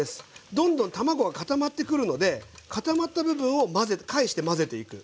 どんどん卵が固まってくるので固まった部分を返して混ぜていく。